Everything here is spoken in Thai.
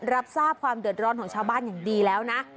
รับทราบความเดือดร้อนของชาวบ้านอย่างดีแล้วนะ